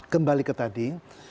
kembali ke tadi